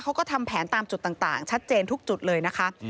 เขาก็ทำแผนตามจุดต่างชัดเจนทุกจุดเลยนะคะ